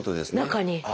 中に。